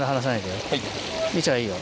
はい。